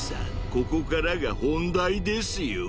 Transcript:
ここからが本題ですよ